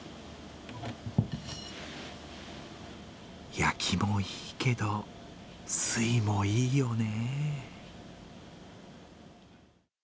焼きもいいけど、水もいいよね。